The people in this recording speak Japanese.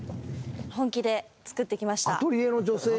本気で作ってきました。